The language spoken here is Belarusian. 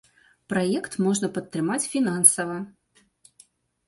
Праект можна падтрымаць фінансава.